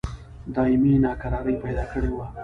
دایمي ناکراري پیدا کړې وه.